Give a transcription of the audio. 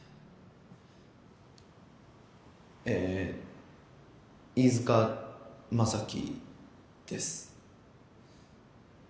え飯塚将希です。